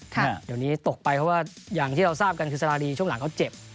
เดี๋ยวนี้ตกไปเพราะว่าอย่างที่เราทราบกันคือสาราดีช่วงหลังเขาเจ็บ